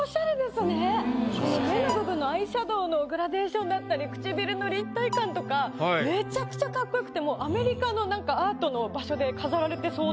目の部分のアイシャドウのグラデーションだったり唇の立体感とかめちゃくちゃかっこよくてアメリカのなんかアートの場所で飾られてそうな。